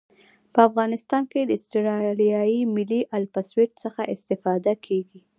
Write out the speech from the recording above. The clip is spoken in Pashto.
په افغانستان کې د اسټرلیایي ملي الپسویډ څخه استفاده کیږي